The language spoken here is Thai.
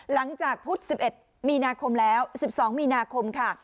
หลังจากพุธ๑๑มีนาคมแล้ว๑๒มีนาคมค่ะ